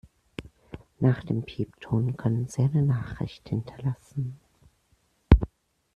Nach dem Piepton können Sie eine Nachricht hinterlassen.